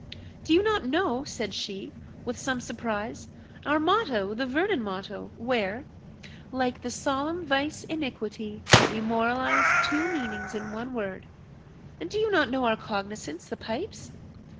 "Do you not know," said she, with some surprise, "our motto the Vernon motto, where, Like the solemn vice iniquity, We moralise two meanings in one word And do you not know our cognisance, the pipes?"